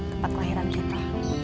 tempat kelahiran kita